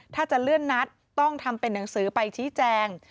ถ้าจะเลื่อนนัดต้องทำเป็นหนังสือไปชี้แจง